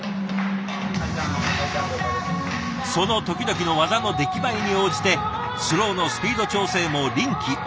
その時々の技の出来栄えに応じてスローのスピード調整も臨機応変に。